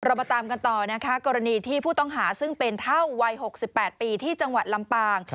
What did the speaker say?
มาตามกันต่อนะคะกรณีที่ผู้ต้องหาซึ่งเป็นเท่าวัย๖๘ปีที่จังหวัดลำปาง